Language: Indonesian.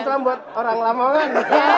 salam buat orang lamongan